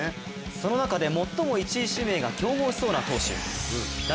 その中で最も１位指名が競合しそうな投手。